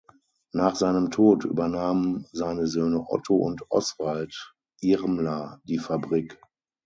Nach seinem Tod übernahmen seine Söhne Otto und Oswald Irmler die Fabrik.